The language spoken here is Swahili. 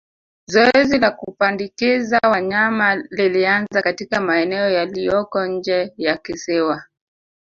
Zoezi la kupandikiza wanyama lilianza katika maeneo yaliyoko nje ya kisiwa